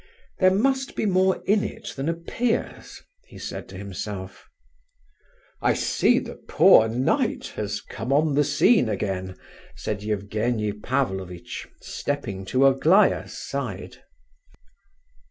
"There must be more in it than appears," he said to himself. "I see the 'poor knight' has come on the scene again," said Evgenie Pavlovitch, stepping to Aglaya's side.